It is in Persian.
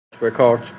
کارت به کارت.